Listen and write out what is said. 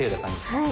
はい。